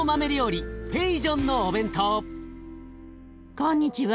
こんにちは。